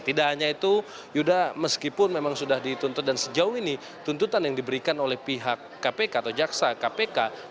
tidak hanya itu yuda meskipun memang sudah dituntut dan sejauh ini tuntutan yang diberikan oleh pihak kpk atau jaksa kpk